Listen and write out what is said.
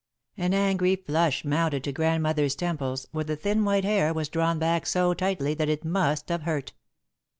An angry flush mounted to Grandmother's temples, where the thin white hair was drawn back so tightly that it must have hurt.